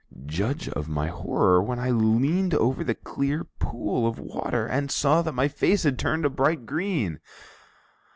Judge of my horror when I leaned over the clear pool of water and saw that my face had turned a bright green!